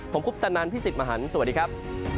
ผมคุปตะนันพี่สิทธิ์มหันฯสวัสดีครับ